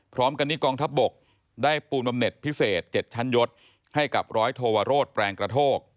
พร้อมกันนี้กองทัพบกได้ปูนบำเน็ตพิเศษ๗ชั้นยศให้กับร้อยโทวโรศแปลงกระโทก